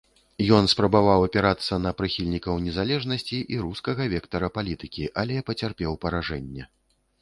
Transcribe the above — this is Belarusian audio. Ён спрабаваў апірацца на прыхільнікаў незалежнасці і рускага вектара палітыкі, але пацярпеў паражэнне.